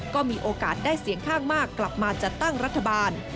ก็มีโอกาสได้เสียงข้างมากกลับมาจัดตั้งรัฐบาล